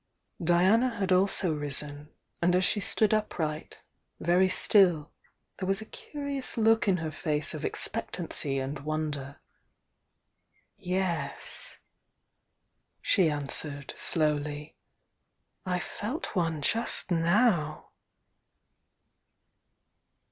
Diana had also risen, and as she stood upright, very still, there was a curious look in her face of expectancy and wonder. "Yes," she answered, slowly, "I felt one just now!"